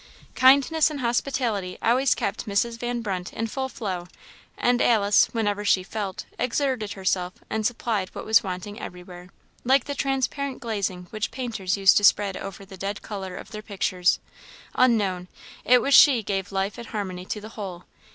Kindness and hospitality always kept Mrs. Van Brunt in full flow; and Alice, whatever she felt, exerted herself and supplied what was wanting everywhere, like the transparent glazing which painters use to spread over the dead colour of their pictures; unknown, it was she gave life and harmony to the whole.